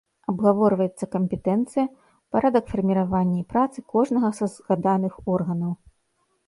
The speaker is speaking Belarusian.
Абгаворваецца кампетэнцыя, парадак фарміравання і працы кожнага са згаданых органаў.